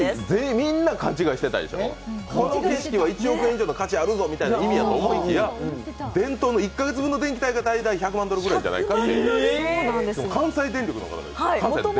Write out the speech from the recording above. みんな勘違いしてたでしょ、この景色は１億円以上の価値があるぞみたいな意味だと思ってたら、伝統の１カ月分の電気代が１００万ドルぐらいと関西電力の方が言った。